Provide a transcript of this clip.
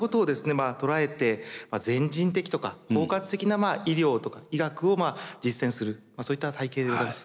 まあ捉えて全人的とか包括的な医療とか医学を実践するそういった体系でございます。